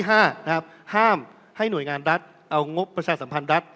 ๕ห้ามให้หน่วยงานรัฐเอางบประชาสัมพันธ์รัฐ